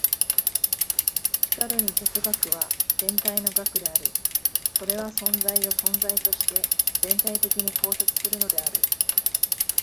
しかるに哲学は全体の学である。それは存在を存在として全体的に考察するのである。